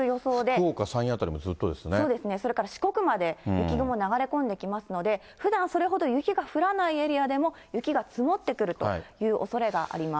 福岡、それから四国まで、雪雲流れ込んできますので、ふだんそれほど雪が降らないエリアでも、雪が積もってくるというおそれがあります。